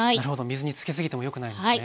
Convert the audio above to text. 水につけすぎてもよくないんですね。